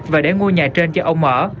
và để ngôi nhà trên cho ông ở